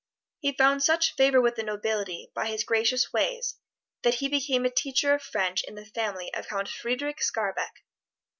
He found such favor with the nobility by his gracious ways that he became a teacher of French in the family of Count Frederic Skarbek.